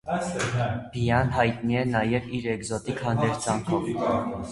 Բիյան հայտնի է նաև իր էկզոտիկ հանդերձանքով։